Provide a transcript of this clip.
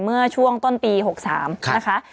เมื่อช่วงต้นปี๖๓นะคะ